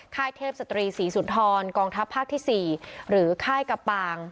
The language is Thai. เทพสตรีศรีสุนทรกองทัพภาคที่๔หรือค่ายกะปาง